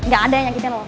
gaada yang nyakitin lo